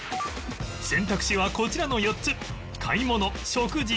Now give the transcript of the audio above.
選択肢はこちらの４つ